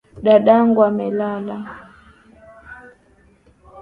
Dadangu amelala.